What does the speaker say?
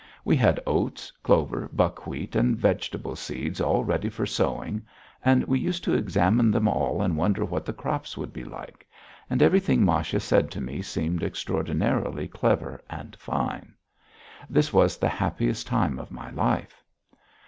We had oats, clover, buckwheat, and vegetable seeds all ready for sowing, and we used to examine them all and wonder what the crops would be like, and everything Masha said to me seemed extraordinarily clever and fine. This was the happiest time of my life.